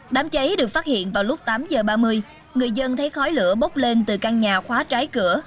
đám cháy được phát hiện vào lúc tám h ba mươi người dân thấy khói lửa bốc lên từ căn nhà khóa trái cửa